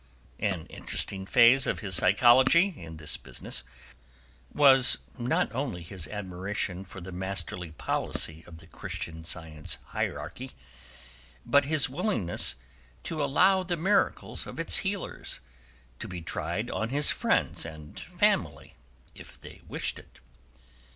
An interesting phase of his psychology in this business was not only his admiration for the masterly policy of the Christian Science hierarchy, but his willingness to allow the miracles of its healers to be tried on his friends and family, if they wished it.